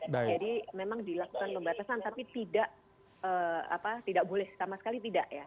memang dilakukan pembatasan tapi tidak boleh sama sekali tidak ya